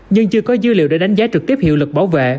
nhưng chưa có dữ liệu để đánh giá trực tiếp hiệu lực bảo vệ